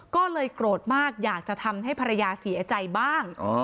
ก็เลยโกรธมากอยากจะทำให้ภรรยาเสียใจบ้าง